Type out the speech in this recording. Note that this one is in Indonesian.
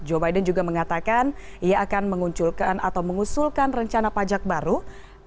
joe biden juga mengatakan ia akan mengunculkan atau mengusulkan rencana pajak baru